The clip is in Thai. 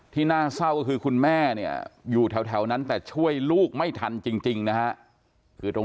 ทะนั้นหน้าเศร้าคือคุณแม่อยู่แถวนั้นแต่ช่วยลูกไม่ทันจริงนะฮะคือตรง